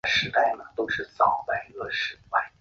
他曾出演过五十部以上的电影。